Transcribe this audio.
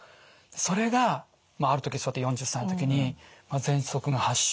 それがまあある時そうやって４０歳の時にぜんそくの発症。